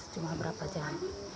cuma berapa jam